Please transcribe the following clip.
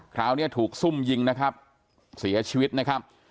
คราวนี้ถูกซุ่มยิงนะครับเสียชีวิตนะครับ